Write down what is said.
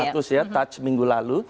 touch minggu lalu